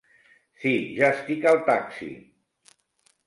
Si ja estic al taxi!